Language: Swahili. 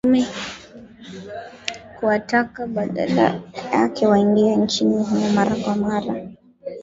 kuwataka badala yake waingie nchini humo mara kwa mara